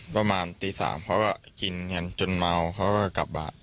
ประมาณตี๓เขาก็กินกันจนเมาเขาก็กลับบ้าน